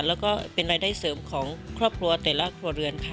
แล้วก็เป็นรายได้เสริมของครอบครัวแต่ละครัวเรือนค่ะ